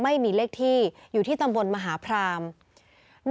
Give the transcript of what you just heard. ไม่มีเลขที่อยู่ที่ตำบลมหาพราม